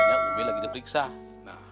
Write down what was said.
umi lagi diperiksa